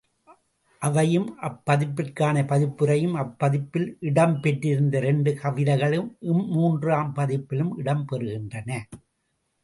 அவையும் அப் பதிப்பிற்கான பதிப்புரையும் அப்பதிப்பில் இடம் பெற்றிருந்த இரண்டு கவிதைகளும் இம் மூன்றாம் பதிப்பிலும் இடம் பெறுகின்றன.